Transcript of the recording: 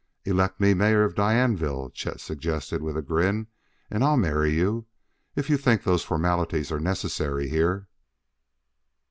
"Elect me Mayor of Dianeville," Chet suggested with a grin, "and I'll marry you if you think those formalities are necessary here."